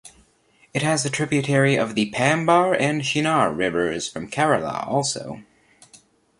It has the Tributary of the Pambar and Chinnar rivers from Kerala also.